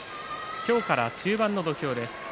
今日から中盤の土俵です。